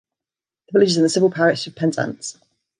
The village is in the civil parish of Penzance.